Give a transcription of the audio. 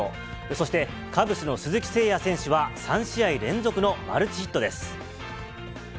そして、カブスの鈴木誠也選手は、３試合連続のマルチヒットです。